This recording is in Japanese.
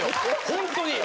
ホントに。